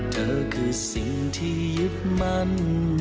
เธอคือสิ่งที่ยึดมั่น